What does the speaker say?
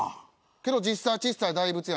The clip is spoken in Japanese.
けど実際は小さい大仏やん。